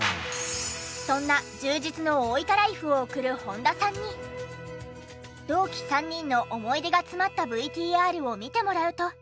そんな充実の大分ライフを送る本田さんに同期３人の思い出が詰まったＶＴＲを見てもらうと。